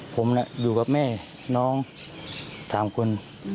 ผมอยู่กับแม่น้อง๓คน